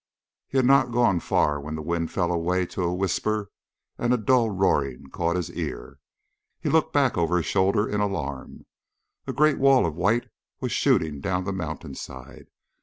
He had not gone far when the wind fell away to a whisper, and a dull roaring caught his ear. He looked back over his shoulder in alarm. A great wall of white was shooting down the mountainside.